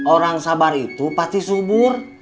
orang sabar itu pasti subur